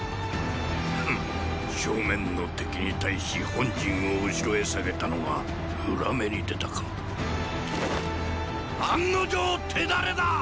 フッ正面の敵に対し本陣を後ろへ下げたのが裏目に出たか案の定手練だ！